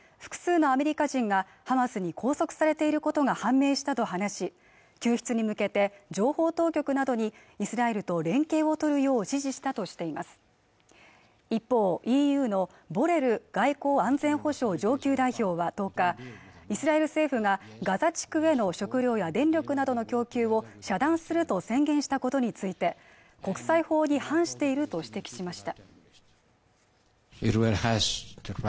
またアメリカ人の死者が１４人に上り複数のアメリカ人がハマスに拘束されていることが判明したと話し救出に向けて情報当局などにイスラエルと連携を取るよう指示したとしています一方、ＥＵのボレル外交安全保障上級代表は１０日イスラエル政府がガザ地区への食料や電力などの供給を遮断すると宣言したことについて国際法に反していると指摘しました